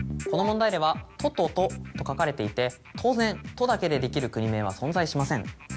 この問題では「ととト」と書かれていて当然「と」だけでできる国名は存在しません。